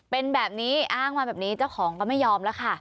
เป็นแบบนี้อ้างมาแบบนี้เจ้าของก็ไม่ยอมแล้วค่ะ